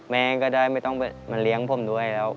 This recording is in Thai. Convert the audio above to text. แม่ก็ได้ไม่ต้องมาเลี้ยงผมด้วยแล้ว